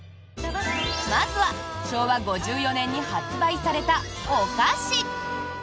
まずは昭和５４年に発売されたお菓子。